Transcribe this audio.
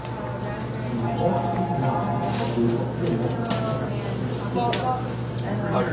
Einen Ort mit diesem Namen, obwohl auf vielen Landkarten eingezeichnet, gibt es nicht.